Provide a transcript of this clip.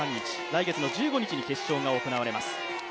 来月の１５日に決勝が行われます。